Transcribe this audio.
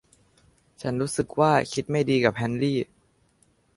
ฉันรู้สึกว่าคิดไม่ดีกับเฮนรี่